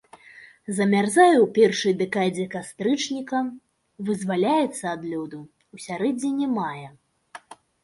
Замярзае ў першай дэкадзе кастрычніка, вызваляецца ад лёду ў сярэдзіне мая.